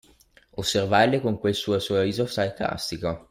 Osservarli con quel suo sorriso sarcastico.